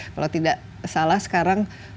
kalau tidak salah sekarang sudah berpengalaman